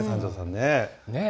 ねえ。